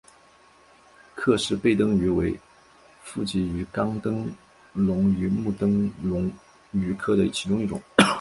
克氏背灯鱼为辐鳍鱼纲灯笼鱼目灯笼鱼科的其中一种。